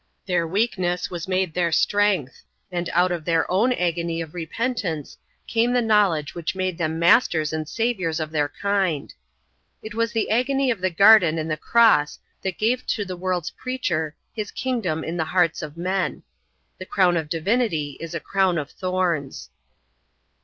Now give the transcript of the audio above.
Their weakness was made their strength, and out of their own agony of repentance came the knowledge which made them masters and saviours of their kind. It was the agony of the Garden and the Cross that gave to the world's Preacher His kingdom in the hearts of men. The crown of divinity is a crown of thorns.